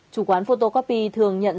chủ quán photocopy thường nhận